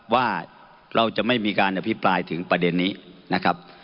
ว่าเราจะไม่มีการอภิปรายถึงประเด็นนี้นะครับ